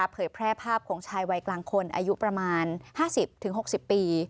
เผยแพร่ภาพของชายวัยกลางคนอายุประมาณ๕๐๖๐ปี